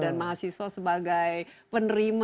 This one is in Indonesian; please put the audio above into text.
dan mahasiswa sebagai penerima dan penerima